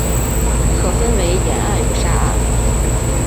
可分为岩岸与沙岸。